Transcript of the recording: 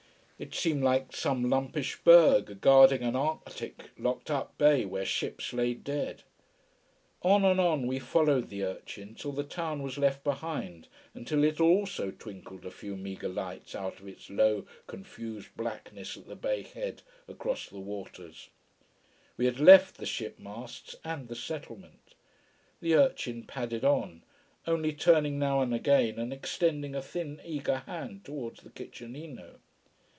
It seemed like some lumpish berg guarding an arctic, locked up bay where ships lay dead. [Illustration: TERRANOVA] On and on we followed the urchin, till the town was left behind, until it also twinkled a few meagre lights out of its low, confused blackness at the bay head, across the waters. We lad left the ship masts and the settlement. The urchin padded on, only turning now and again and extending a thin, eager hand toward the kitchenino.